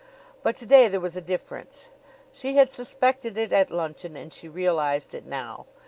But to day there was a difference. She had suspected it at luncheon and she realized it now.